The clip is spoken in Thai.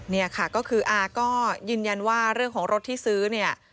นี่ค่ะก็คืออาก็ยืนยันว่าเรื่องของรถที่ซื้อเนี่ย